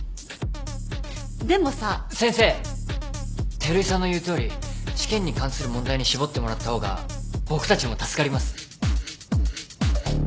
照井さんの言うとおり試験に関する問題に絞ってもらった方が僕たちも助かります。